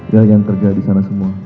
ya yang kerja disana semua